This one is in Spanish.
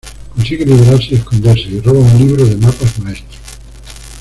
Consigue liberarse y esconderse, y roba un libro de mapas maestro.